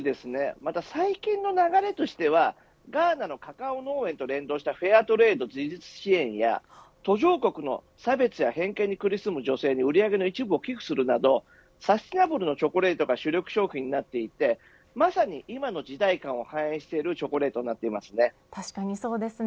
また最近の流れとしてはガーナのカカオ農園と連動したフェアトレード自立支援や途上国の差別や偏見に苦しむ女性に売り上げの一部を寄付するなどサステイナブルなチョコレートが主力商品になっていて、まさに今の時代感を反映している確かにそうですね。